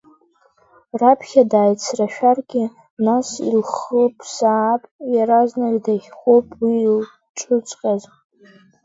Раԥхьа дааицрашәаргьы, нас илхыԥсаап, иаразнак дахьхәып уи илҿыҵҟьаз…